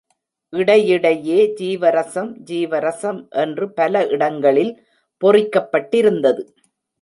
இடையிடையே ஜீவரசம், ஜீவரசம் என்று பல இடங்களில் பொறிக்கப்பட்டிருந்தது.